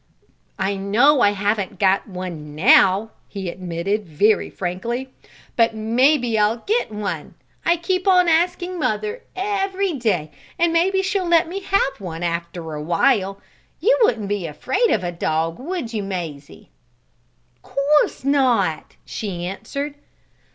"I know I haven't got one now!" he admitted, very frankly. "But maybe I'll get one. I keep on asking mother, every day, and maybe she'll let me have one after a while. You wouldn't be afraid of a dog; would you, Mazie?" "Course not!" she answered.